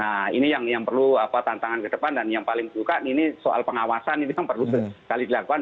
nah ini yang perlu tantangan ke depan dan yang paling juga ini soal pengawasan ini yang perlu sekali dilakukan